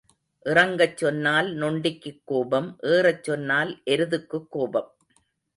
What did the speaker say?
இறங்கச் சொன்னால் நொண்டிக்குக் கோபம் ஏறச் சொன்னால் எருதுக்குக் கோபம்.